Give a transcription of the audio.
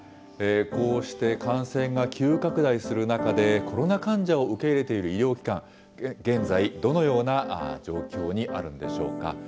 こうして感染が急拡大する中で、コロナ患者を受け入れている医療機関、現在、どのような状況にあるんでしょうか。